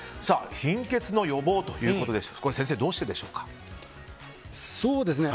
貧血の予防ということですが先生、どうしてでしょうか？